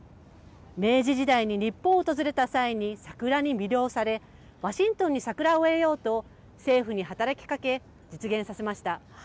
明治時代に日本を訪れた際に桜に魅了され、ワシントンに桜を植えようと政府に働きかけ、実現させました。